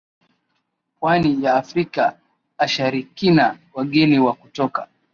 pwani ya Afrika asharikina wageni wa kutoka